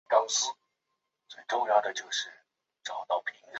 分行设立后的几个月内曾参与胶澳总督府对城市建设用地的收购。